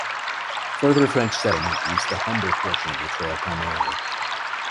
Further French settlement used the Humber portion of the trail primarily.